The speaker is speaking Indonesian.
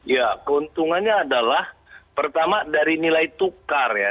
ya keuntungannya adalah pertama dari nilai tukar ya